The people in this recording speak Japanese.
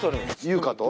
優香と？